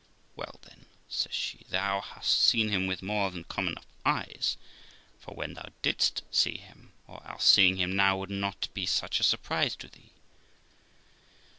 'Well, then', says she, 'thou hast seen him with more than common eyes when thou didst see him, or else seeing him now would not be such a surprise to thee.'